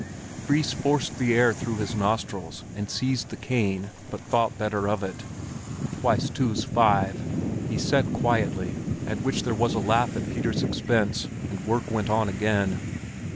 Fris forced the air through his nostrils and seized the cane, but thought better of it. "Twice two's five!" he said quietly, at which there was a laugh at Peter's expense, and work went on again.